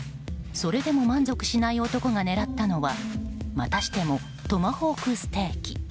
それでも満足しない男が狙ったのはまたしてもトマホークステーキ。